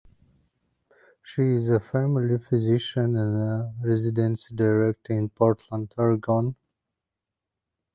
She is a family physician and residency director in Portland, Oregon.